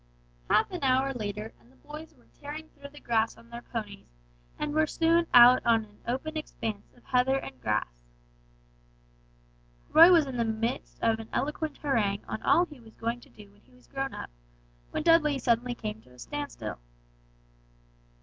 Half an hour later and the boys were tearing through the village on their ponies, and were soon out on an open expanse of heather and grass. Roy was in the midst of an eloquent harangue on all he was going to do when he was grown up, when Dudley suddenly came to a standstill.